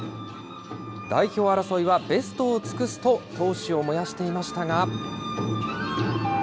代表争いはベストを尽くすと闘志を燃やしていましたが。